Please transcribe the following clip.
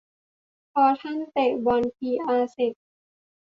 พอท่านเตะบอลพีอาร์เสร็จ